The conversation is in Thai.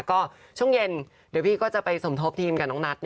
ก็ช่วงเย็นเดี๋ยวพี่ก็จะไปสมทบทีมกับน้องนัท